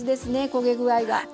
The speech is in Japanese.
焦げ具合が。